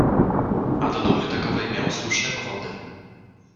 A do dumy takowej miał słuszne powody